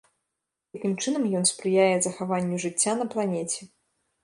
Такім чынам ён спрыяе захаванню жыцця на планеце.